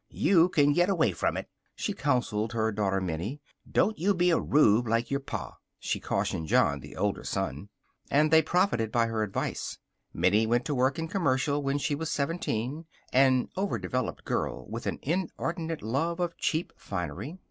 "You can get away from it," she counseled her daughter, Minnie. "Don't you be a rube like your pa," she cautioned John, the older boy. And they profited by her advice. Minnie went to work in Commercial when she was seventeen, an overdeveloped girl with an inordinate love of cheap finery.